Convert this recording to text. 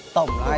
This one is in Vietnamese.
tổng là hai tỷ ba